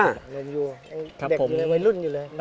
เด็กไว้รุ่นอยู่เลย